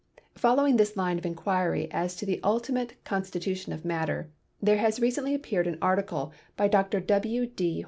Following this line of inquiry as to the ultimate con stitution of matter, there has recently appeared an article by Dr. W. D.